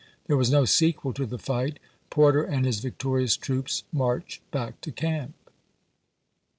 There was no sequel to the fight. Porter and his victorious troops marched back to camp.